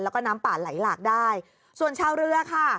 แล้วก็น้ำป่าไหลหลากได้ส่วนชาวเรือค่ะ